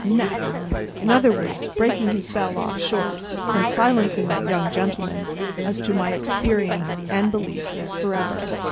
's neck—in other words, breaking his bell short off—and silencing that young gentleman, as to my experience and belief, for ever.